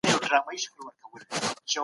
هغه کتابونه چي علم زياتوي بايد تل ولوستل سي.